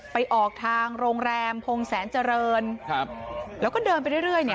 ไปออกทางโรงแรมพงแสนเจริญครับแล้วก็เดินไปเรื่อยเรื่อยเนี่ย